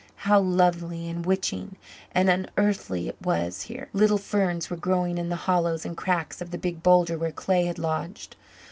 How lovely and witching and unearthly it was here. Little ferns were growing in the hollows and cracks of the big boulder where clay had lodged.